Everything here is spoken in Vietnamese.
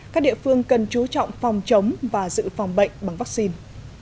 các địa phương cần chú trọng phòng chống và giữ phòng bệnh bằng vaccine